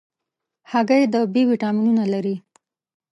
هګۍ د B ویټامینونه لري.